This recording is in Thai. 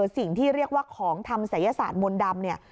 สิ่งที่เรียกว่าของทำศัยศาสตร์มนต์ดำเนี่ย